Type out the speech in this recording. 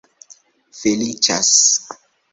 feliĉas